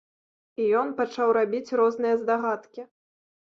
І ён пачаў рабіць розныя здагадкі.